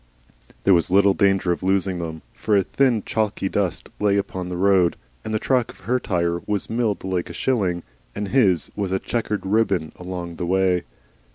There was little danger of losing them, for a thin chalky dust lay upon the road, and the track of her tire was milled like a shilling, and his was a chequered ribbon along the way.